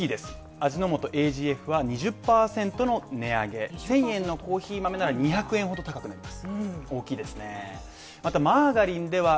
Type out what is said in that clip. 味の素ＡＧＦは２０％の値上げ、１０００円のコーヒー豆なら２００円ほど高くなります